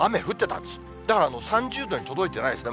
だから３０度に届いてないですね。